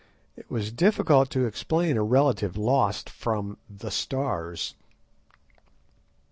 It was difficult to explain a relative lost from "the Stars."